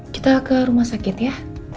kita ke rumah sakit ya